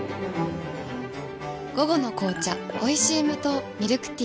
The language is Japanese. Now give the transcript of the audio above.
午後の紅茶おいしい無糖ミルクティー